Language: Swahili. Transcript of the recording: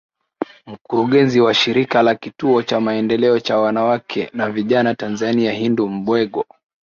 Mkurugenzi wa shirika la kituo cha maendeleo cha wanawake na vijana Tanzania Hindu Mbwego